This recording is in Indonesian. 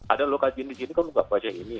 ada lo kajian di sini kan lo gak baca ini